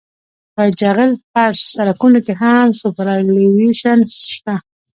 په جغل فرش سرکونو کې هم سوپرایلیویشن شته